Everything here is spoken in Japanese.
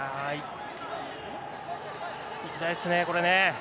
いきたいですね、これね。